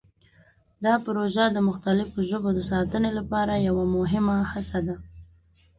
دا پروژه د مختلفو ژبو د ساتنې لپاره یوه مهمه هڅه ده.